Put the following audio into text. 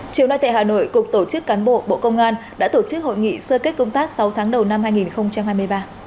chiều nay tại hà nội cục tổ chức cán bộ bộ công an đã tổ chức hội nghị sơ kết công tác sáu tháng đầu năm hai nghìn hai mươi ba